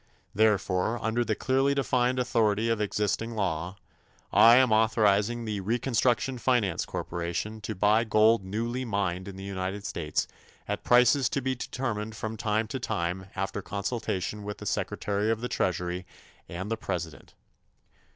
Therefore, under the clearly defined authority of existing law, I am authorizing the Reconstruction Finance Corporation to buy gold newly mined in the United States at prices to be determined from time to time after consultation with the Secretary of the Treasury and the President.